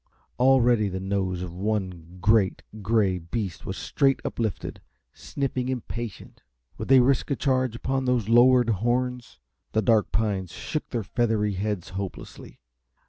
Already the nose of one great, gray beast was straight uplifted, sniffing, impatient. Would they risk a charge upon those lowered horns? The dark pines shook their feathery heads hopelessly.